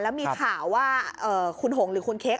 และมีถ่าว่าคุณโงค์หรือคุณเค้ก